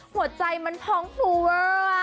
หัวใจมันพองฟูเวอร์